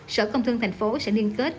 sở công thương thành phố sẽ liên kết